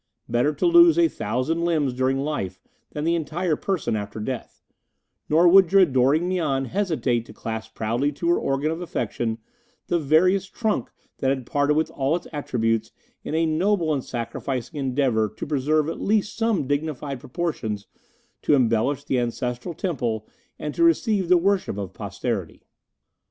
Better to lose a thousand limbs during life than the entire person after death; nor would your adoring Mian hesitate to clasp proudly to her organ of affection the veriest trunk that had parted with all its attributes in a noble and sacrificing endeavour to preserve at least some dignified proportions to embellish the Ancestral Temple and to receive the worship of posterity."